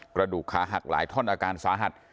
กระดูกขาหักหลายท่อนอาการสาหัส